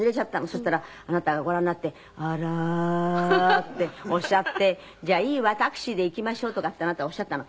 そしたらあなたがご覧になって「あらー！」っておっしゃって「じゃあいいわタクシーで行きましょう」とかってあなたはおっしゃったの。